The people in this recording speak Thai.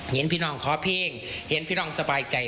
เห็นพี่น้องขอเพลงเห็นพี่น้องสบายใจ